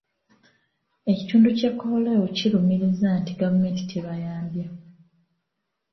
Ekitundu ky'e Koboko kirumiriza nti gavumenti tebayamba.